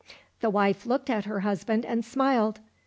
The wife looked at her husband and smiled.